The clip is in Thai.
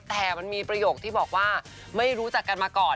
แต่มันมีประโยคที่บอกว่าไม่รู้จักกันมาก่อน